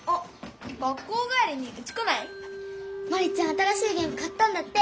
新しいゲーム買ったんだって。